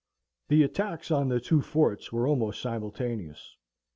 The attacks on the two forts were almost simultaneous.